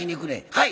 「はい。